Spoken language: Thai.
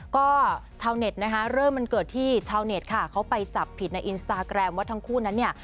ก็ชาวเน็ตนะคะเริ่มมันเกิดที่ชาวเน็ตค่ะเขาไปจับผิดในอินสตาแกรมว่าทั้งคู่นั้นเนี่ย